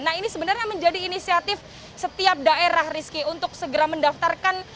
nah ini sebenarnya menjadi inisiatif setiap daerah rizky untuk segera mendaftarkan